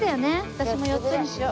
私も４つにしよう。